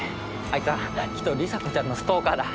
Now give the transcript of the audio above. あいつはきっと里紗子ちゃんのストーカーだ。